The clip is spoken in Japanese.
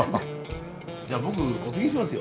じゃあ僕おつぎしますよ。